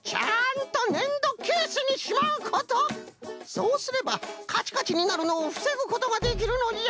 そうすればカチカチになるのをふせぐことができるのじゃ。